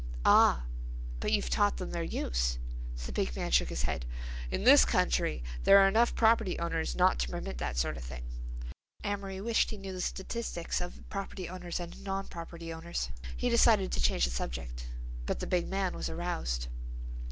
_" "Ah, but you've taught them their use." The big man shook his head. "In this country there are enough property owners not to permit that sort of thing." Amory wished he knew the statistics of property owners and non property owners; he decided to change the subject. But the big man was aroused.